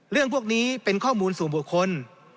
เรื่องพวกนี้เป็นข้อมูลสู่บุคคล